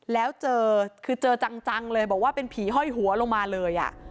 แล้วเจอคือเจอจังเลยบอกว่าเป็นผีห้อยหัวลงมาเลย